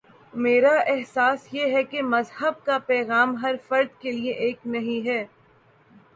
میرا احساس یہ ہے کہ مذہب کا پیغام ہر فرد کے لیے ایک نہیں ہے۔